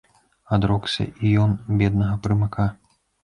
Адрокся і ён беднага прымака.